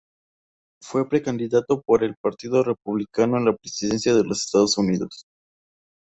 Fue precandidato por el Partido Republicano a la presidencia de los Estados Unidos.